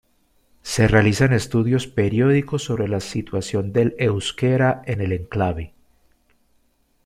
Se realizan estudios periódicos sobre la situación del euskera en el enclave.